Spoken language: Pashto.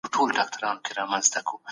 ولي ډېره بوره ذهني تمرکز له منځه وړي؟